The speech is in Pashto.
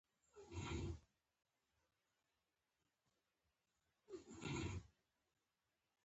شمېرې ښيي چې له م کال راهیسې خوځښت کم شوی نه دی.